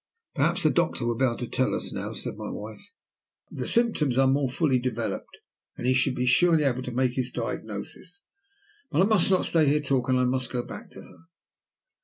"Perhaps the doctor will be able to tell us now," said my wife. "The symptoms are more fully developed, and he should surely be able to make his diagnosis. But I must not stay here talking. I must go back to her."